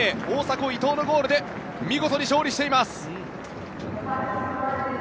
大迫、伊東のゴールで見事に勝利しています。